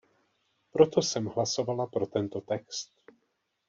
Proto jsem hlasovala pro tento text.